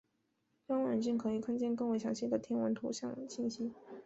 让望远镜可以看见更为详细的天文图像信息。